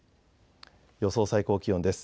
予想最高気温です。